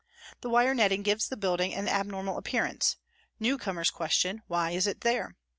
The wire netting gives the building an abnormal appearance ; newcomers question " Why is it there